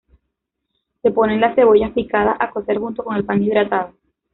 Se ponen las cebollas picadas a cocer junto con el pan hidratado.